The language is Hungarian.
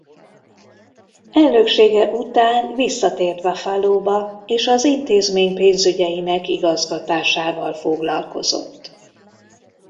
Elnöksége után visszatért Buffalóba és az intézmény pénzügyeinek igazgatásával foglalkozott.